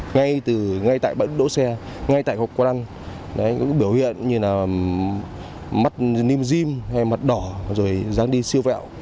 ngay tại bãi đốt đỗ xe ngay tại hộp quán ăn biểu hiện như mắt nìm dìm mặt đỏ ráng đi siêu vẹo